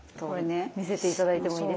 見せて頂いてもいいですか？